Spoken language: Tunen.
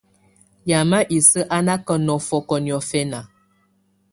Yamɛ̀á isǝ́ á nà kà nɔ̀fɔ̀kɔ̀ niɔ̀fɛna.